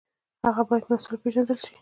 هغه باید مسوول وپېژندل شي.